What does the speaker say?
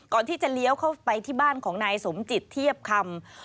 เลี้ยวเข้าไปที่บ้านของนายสมจิตเทียบคำ